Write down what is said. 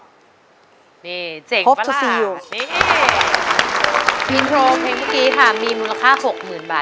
กินโทรเพลงเมื่อกี้มีมูลค่า๖๐๐๐๐บาท